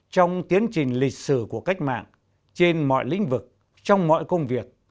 trong tiến trình lịch sử của cách mạng trên mọi lĩnh vực trong mọi công việc